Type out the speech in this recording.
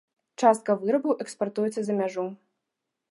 Частка вырабаў экспартуецца за мяжу.